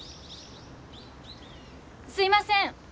すいません！